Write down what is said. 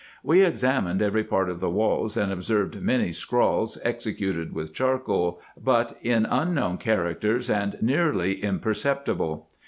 We examined every part of the walls, and observed many scrawls executed with charcoal, but in unknown characters, and nearly imperceptible.